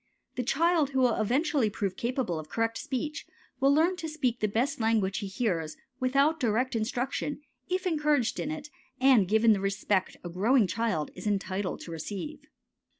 The child who will eventually prove capable of correct speech will learn to speak the best language he hears without direct instruction if encouraged in it and given the respect a growing child is entitled to receive.